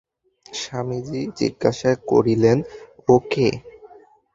স্বামীজি জিজ্ঞাসা করিলেন, ও কে?